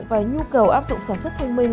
và nhu cầu áp dụng sản xuất thông minh